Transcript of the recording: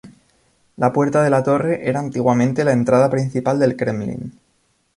La puerta de la torre era antiguamente la entrada principal del Kremlin.